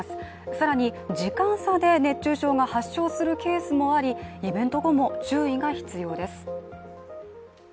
更に時間差で熱中症が発症するケースもあり、イベント後も注意が必要です。